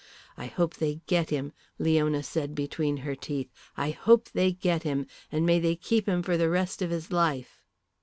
"I hope they get him," Leona said between her teeth. "I hope they get him. And may they keep him for the rest of his life."